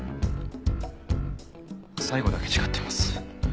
最後だけ違ってます。